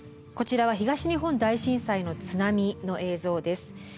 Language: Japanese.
こちらは東日本大震災の津波の映像です。